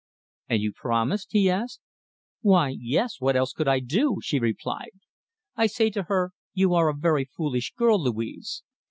'" "And you promised?" he asked. "Why, yes! What else could I do?" she replied. "I say to her, 'You are a very foolish girl, Louise.